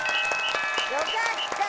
よかった！